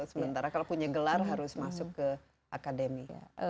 sementara kalau punya gelar harus masuk ke akademi